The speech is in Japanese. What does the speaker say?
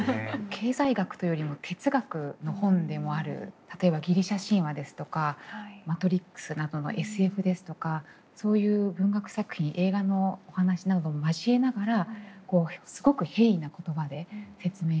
経済学というよりも哲学の本でもある例えばギリシャ神話ですとか「マトリックス」などのＳＦですとかそういう文学作品映画のお話なども交えながらすごく平易な言葉で説明してくれて。